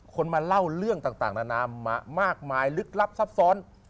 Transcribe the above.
คนมาเล่าเรื่องต่างนานามามากมายลึกลับซับซ้อน